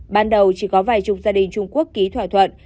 ban đầu chỉ có vài chục gia đình trung quốc ký thỏa thuận